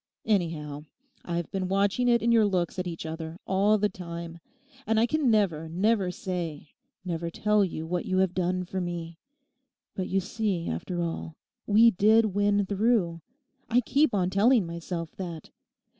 Anyhow. I've been watching it in your looks at each other all the time. And I can never, never say, never tell you what you have done for me. But you see, after all, we did win through; I keep on telling myself that.